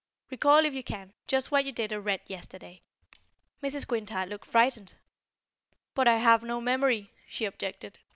Recall, if you can, just what you did or read yesterday." Mrs. Quintard looked frightened. "But, I have no memory," she objected.